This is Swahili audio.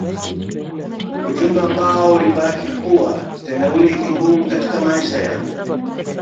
Ujumbe ambao ulibaki kuwa kitendawili kigumu katika maisha yangu